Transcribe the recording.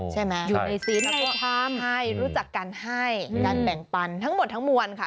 อ๋อใช่ไหมใช่รู้จักกันให้ด้านแบ่งปันทั้งหมดทั้งมวลค่ะ